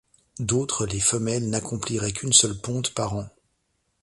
D’autre les femelles n’accompliraient qu’une seule ponte par an.